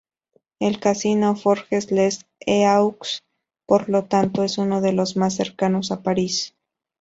El casino Forges-les-Eaux, por lo tanto, es uno de los más cercanos a París.